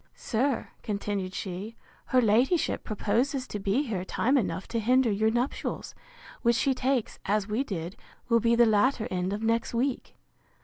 Sir, continued she, her ladyship, proposes to be here time enough to hinder your nuptials, which she takes, as we did, will be the latter end of next week.